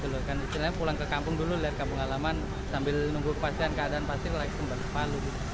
sebenarnya pulang ke kampung dulu lihat kampung alaman sambil nunggu kepastian keadaan pasti lagi kembali ke palu